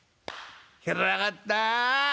知らなかったあ。